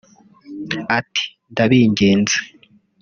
Ati “Ndabinginze